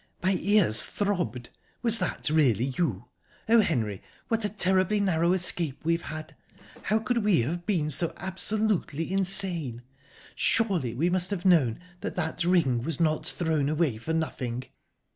"My ears throbbed was that really you?...Oh, Henry, what a terribly narrow escape we've had! How could we have been so absolutely insane? Surely we must have know that that ring was not thrown away for nothing?..."